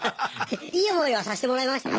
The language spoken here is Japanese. いい思いはさせてもらいましたよ。